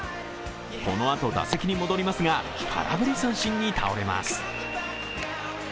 このあと打席に戻りますが、空振り三振に倒れます。